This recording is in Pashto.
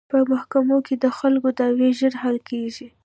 په محکمو کې د خلکو دعوې ژر حل کیږي.